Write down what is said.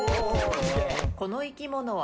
この生き物は？